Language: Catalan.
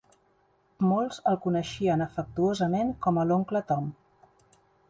Molts el coneixien afectuosament com a l'oncle Tom.